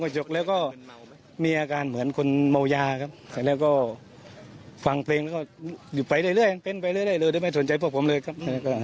จ่อหัวตัวเองแล้วก็ฉีกนะครับ